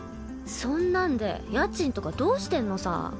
そんなんで家賃とかどうしてんのさ